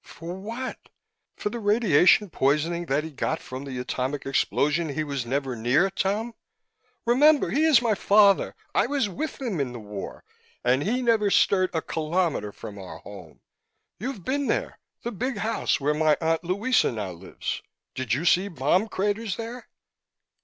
"For what? For the radiation poisoning that he got from the atomic explosion he was nowhere near, Tom? Remember, he is my father! I was with him in the war and he never stirred a kilometer from our home. You've been there, the big house where my aunt Luisa now lives. Did you see bomb craters there?"